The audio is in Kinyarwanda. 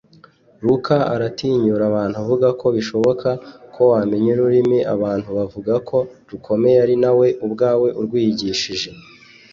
Luca aratinyura abantu avuga ko bishoboka ko wamenya ururimi abantu bavuga ko rukomeye ari nawe ubwawe urwiyigishije